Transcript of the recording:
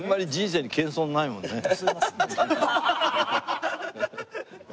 すいません。